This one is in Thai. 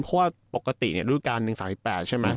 ปกติด้วยการ๑๓๘ใช่มั้ย